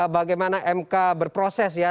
bagaimana mk berproses ya